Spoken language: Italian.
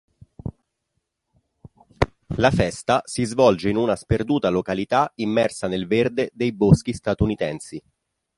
La festa si svolge in una sperduta località immersa nel verde dei boschi statunitensi.